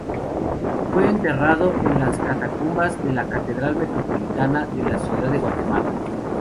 Fue enterrado en las catacumbas de la Catedral Metropolitana de la Ciudad de Guatemala.